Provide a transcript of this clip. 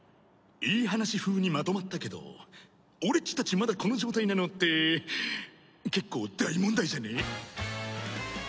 いい話風にまとまったけど俺っちたちまだこの状態なのって結構大問題じゃね？